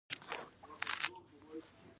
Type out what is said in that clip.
آیا صرافان د اقتصاد نبض دي؟